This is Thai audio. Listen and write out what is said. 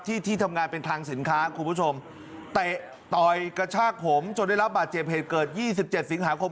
ที่ที่ทำงานเป็นครางสินค้าคุณผู้ชมลับได้รับบาดเจเปสเกิดยี่สิบเจ็ดสิ้งหาคม